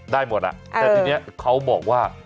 ได้หมดแต่ทีนี้เขาบอกว่า